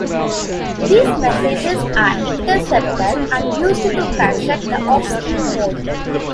These messages are intercepted and used to construct the off-screen model.